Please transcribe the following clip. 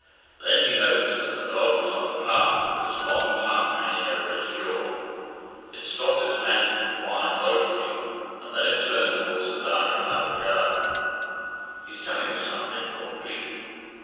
Then he noticed that the dog was on the path with its long tongue hanging over its jaw. It stopped its panting to whine woefully, and then it turned towards the darker part of the garden. "He's telling me something," thought Pete.